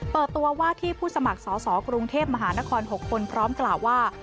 เปิดตัวว่าที่ผู้สมัครสอสอกรุงเทพมหานคร๖คนพร้อมกล่าวว่า